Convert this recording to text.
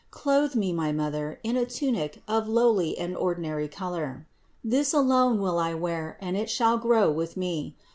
Clothe Me, my Mother, in a tunic of a lowly and ordinary color. This alone will I wear, and it shall grow with Me.